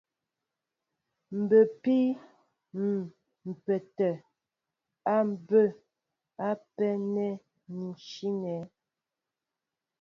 Mbə́mpii ḿ pə́ə́tɛ́ a bɛ́ ápə́ nɛ́ ní shyɛní.